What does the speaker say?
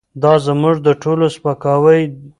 دا زموږ د ټولو سپکاوی دی.